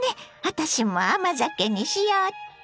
私も甘酒にしよっと！